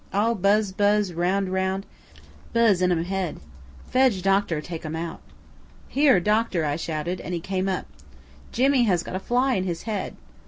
All buzz buzz round and round buzz in um head. Fedge doctor take um out." "Here, doctor," I shouted; and he came up. "Jimmy has got a fly in his head."